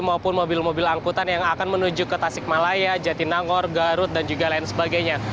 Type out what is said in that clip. maupun mobil mobil angkutan yang akan menuju ke tasik malaya jatinangor garut dan juga lain sebagainya